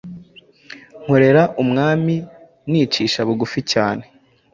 nkorera Umwami nicisha bugufi cyane,